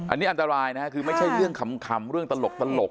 อันนี้อันตรายนะฮะคือไม่ใช่เรื่องขำเรื่องตลก